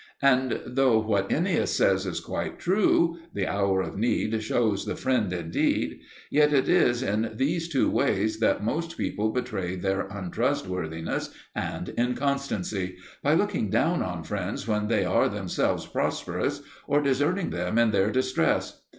And though what Ennius says is quite true, " the hour of need shews the friend indeed," yet it is in these two ways that most people betray their untrustworthiness and inconstancy, by looking down on friends when they are themselves prosperous, or deserting them in their distress.